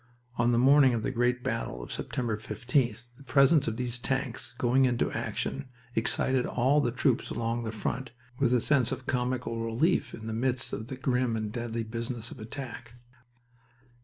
On the morning of the great battle of September 15th the presence of the tanks going into action excited all the troops along the front with a sense of comical relief in the midst of the grim and deadly business of attack.